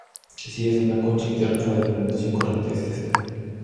Si es una concha interna, la denominación correcta es testa.